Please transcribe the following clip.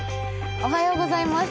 おはようございます。